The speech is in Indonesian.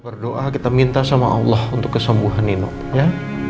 berdoa kita minta sama allah untuk kesembuhan nino ya